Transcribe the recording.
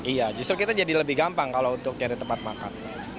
iya justru kita jadi lebih gampang kalau untuk cari tempat makan